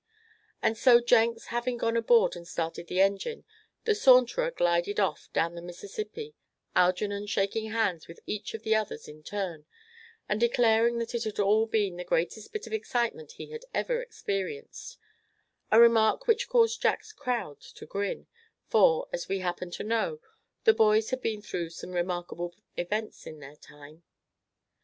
And so Jenks having gone aboard and started the engine, the Saunterer glided off down the Mississippi, Algernon shaking hands with each of the others in turn, and declaring that it had all been the greatest bit of excitement he had ever experienced; a remark, which caused Jack's crowd to grin, for, as we happen to know, the boys had been through some remarkable events in their time.